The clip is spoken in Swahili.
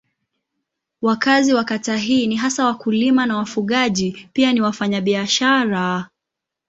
Wakazi wa kata hii ni hasa wakulima na wafugaji pia ni wafanyabiashara.